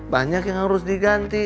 banyak yang harus diganti